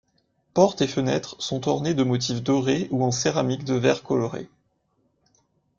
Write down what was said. Portes et fenêtres sont ornées de motifs dorés ou en céramique de verres colorés.